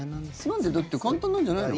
なんで？だって簡単なんじゃないの？